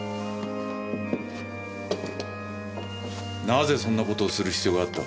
なぜそんな事をする必要があった？